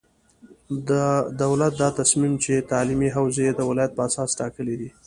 د دولت دا تصمیم چې تعلیمي حوزې یې د ولایت په اساس ټاکلې دي،